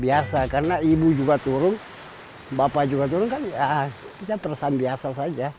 biasa karena ibu juga turun bapak juga turun kan kita perasaan biasa saja